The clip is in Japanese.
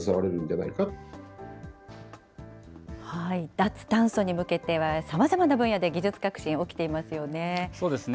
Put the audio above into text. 脱炭素に向けてはさまざまな分野で技術革新、そうですね。